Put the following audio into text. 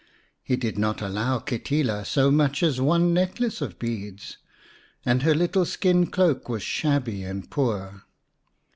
He did not allow Kitila so much as one necklace of beads, and her little skin cloak was shabby and poor.